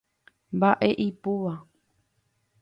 Mba'e ipúva.